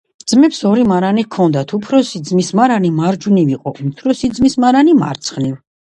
ძმებს ორი მარანი ჰქონდათ. უფროსი ძმის მარანი მარჯვნივ იყო, უმცროსი ძმის მარანი — მარცხნივ.